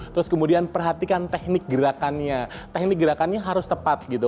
terus kemudian perhatikan teknik gerakannya teknik gerakannya harus tepat gitu